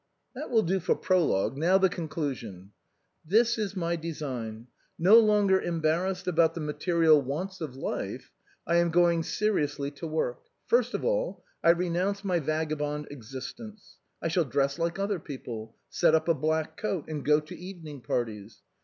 " That will do for prologue. Now the conclusion." " This is my design. No longer embarrassed about the material wants of life, I am going seriously to work. First of all, I renounce my vagabond existence ; I shall dress like other people, set up a black coat, and go to evening parties.